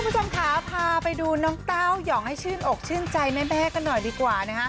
ทุกผู้ชำค้าพาไปดูน้องเต้ายองให้ชื่นอกชื่นใจแม่แม่กันหน่อยดีกว่า